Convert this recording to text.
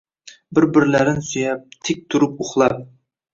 Bir-birlarin suyab, Tik turib uxlab